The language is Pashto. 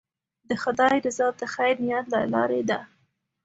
د خدای رضا د خیر نیت له لارې ده.